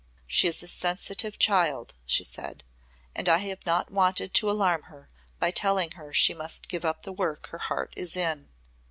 "She is a sensitive child," she said, "and I have not wanted to alarm her by telling her she must give up the work her heart is in.